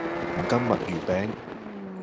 黃金墨魚餅